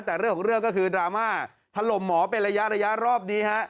แต่เรื่องของเรื่องก็คือดราม่าถล่มหมอเป็นระยะระยะรอบนี้ฮะ